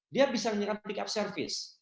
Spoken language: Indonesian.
dia bisa menyerap pick up service